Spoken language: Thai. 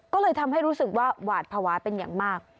ก็เลยทำให้รู้สึกว่าหวาดภาวะเป็นอย่างมาก